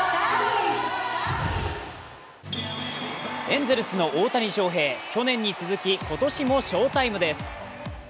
エンゼルスの大谷翔平、去年に続き、今年も賞タイムです。